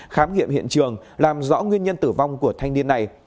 khám nghiệm hiện trường làm rõ nguyên nhân tử vong của thanh niên này